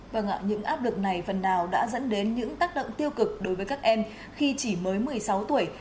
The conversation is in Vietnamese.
vâng ạ những áp lực này phần nào đã dẫn đến những tác động tiêu cực đối với các em khi chỉ mới một mươi sáu tuổi